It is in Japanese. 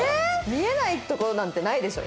見えない所なんてないでしょ